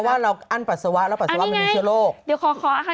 เพราะว่าเราอั้นปัสสาวะแล้วปัสสาวะมันมีเชื้อโรค